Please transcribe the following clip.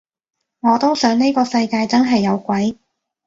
我都想呢個世界真係有鬼